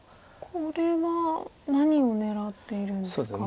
これは何を狙っているんですか？